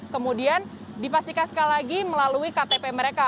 kemudian dipastikan sekali lagi melalui ktp mereka